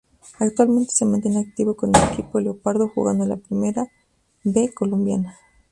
Actualmente se mantiene activo con el equipo 'leopardo' jugando la Primera B colombiana.